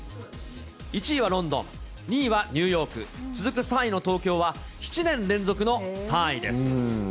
１位はロンドン、２位はニューヨーク、続く３位の東京は、７年連続の３位です。